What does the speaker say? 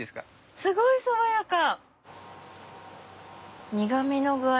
すごい爽やか！